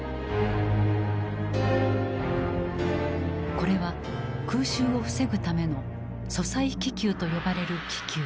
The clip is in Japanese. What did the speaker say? これは空襲を防ぐための「阻塞気球」と呼ばれる気球。